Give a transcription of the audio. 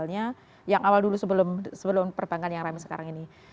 misalnya yang awal dulu sebelum perbankan yang rame sekarang ini